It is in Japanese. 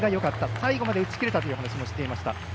最後まで打ち切れたという話をしていました。